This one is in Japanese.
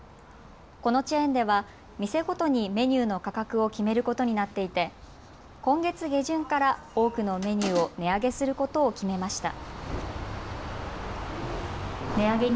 このチェーンでは店ごとにメニューの価格を決めることになっていて今月下旬から多くのメニューを値上げすることを決めました。